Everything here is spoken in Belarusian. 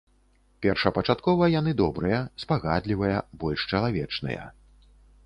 Першапачаткова яны добрыя, спагадлівыя, больш чалавечныя.